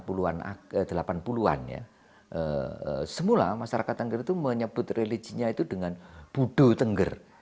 pada tahun delapan puluh an masyarakat tengger menyebut religinya dengan budo tengger